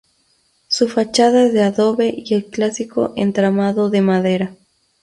Su fachada es de adobe y el clásico entramado de madera.